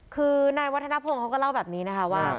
คือนายวัฒนภงเขาก็เล่าแบบนี้นะคะว่า